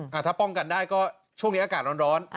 ถ้าป้องกันได้ก็ช่วงนี้อากาศร้อน